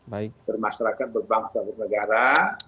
bermasyarakat berbangsa bernegara